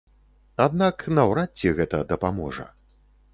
Аднак наўрад ці гэта дапаможа.